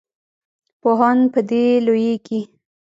پوهان په دې لویږي.